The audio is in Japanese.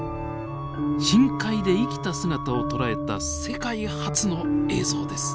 深海で生きた姿を捉えた世界初の映像です。